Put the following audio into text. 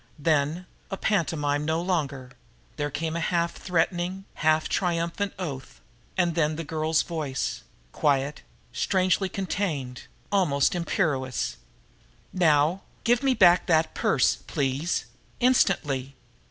Then, a pantomime no longer, there came a half threatening, half triumphant oath; and then the girl's voice, quiet, strangely contained, almost imperious: "Now, give me back that purse, please. Instantly!"